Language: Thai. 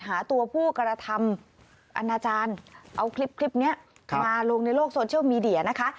หาตัวผู้กระทำอนาจารย์เอาคลิปนี้มาลงในโลกโซเชียลมีเดียนะคะ